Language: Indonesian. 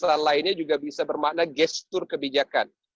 atau bahasa lainnya juga bisa bermakna gestur kebijakan